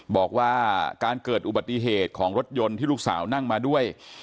บอกว่าการเกิดอุบัติเหตุของรถยนต์ที่ลูกสาวนั่งมาด้วย